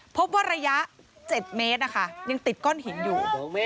พบว่าระยะ๗เมตรยังติดก้อนหินอยู่